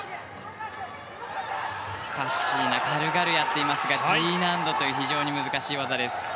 カッシーナ軽々やっていますがＧ難度という非常に難しい技です。